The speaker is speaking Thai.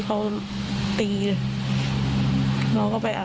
กรอบที่จะถูกทำร้าย